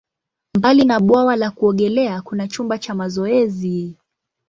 Mbali na bwawa la kuogelea, kuna chumba cha mazoezi.